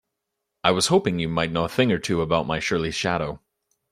I was hoping you might know a thing or two about my surly shadow?